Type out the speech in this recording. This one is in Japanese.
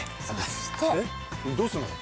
えっどうすんの？